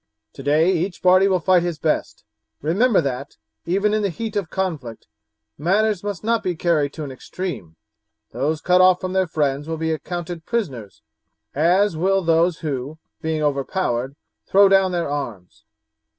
Today each party will fight his best. Remember that, even in the heat of conflict, matters must not be carried to an extreme. Those cut off from their friends will be accounted prisoners, as will those who, being overpowered, throw down their arms.